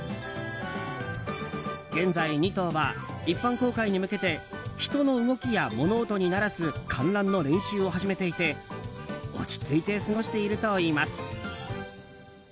現在２頭は一般公開に向けて人の動きや物音に慣らす観覧の練習を始めていて落ち着いて過ごしているといいます。